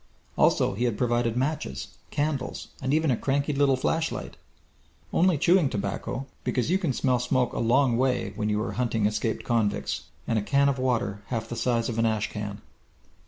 Also he had provided matches, candles, and even a cranky little flashlight. Only chewing tobacco, because you can smell smoke a long way when you are hunting escaped convicts. And a can of water half the size of an ash can!